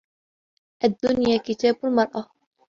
الدنيا كتاب المرأة.